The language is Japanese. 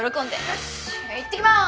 よしいってきまーす！